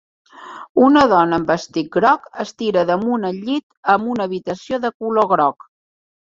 Una dona amb vestit groc es tira damunt el llit en una habitació de color groc.